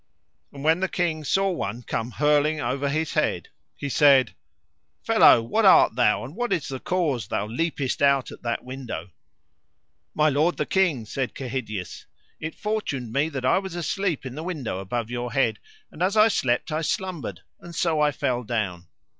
And when the king saw one come hurling over his head he said: Fellow, what art thou, and what is the cause thou leapest out at that window? My lord the king, said Kehydius, it fortuned me that I was asleep in the window above your head, and as I slept I slumbered, and so I fell down.